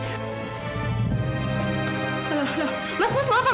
mas maaf pak mas